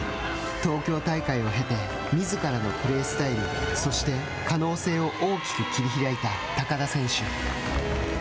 東京大会をへてみずからのプレースタイルそして可能性を大きく切り開いた高田選手。